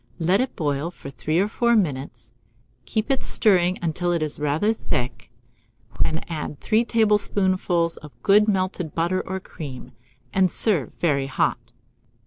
Let it boil for 3 or 4 minutes; keep stirring it until it is rather thick; when add 3 tablespoonfuls of good melted butter or cream, and serve very hot.